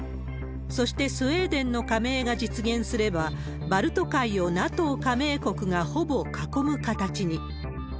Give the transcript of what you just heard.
そしてスウェーデンの加盟が実現すれば、バルト海をＮＡＴＯ加盟国がほぼ囲む形に。